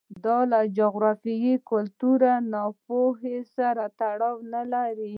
دا له جغرافیې، کلتور یا ناپوهۍ سره تړاو نه لري